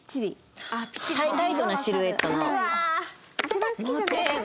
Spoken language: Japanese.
一番好きじゃないですか！